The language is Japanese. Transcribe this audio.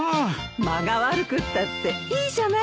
間が悪くったっていいじゃないですか。